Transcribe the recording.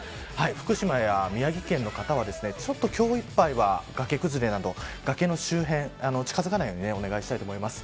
福島や宮城県の方は今日いっぱいは崖崩れなど崖の周辺に近づかないようにお願いしたいと思います。